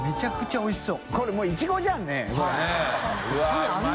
おいしそう。